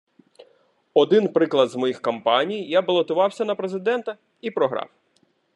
Один приклад з моїх кампаній – я балотувався на президента і програв.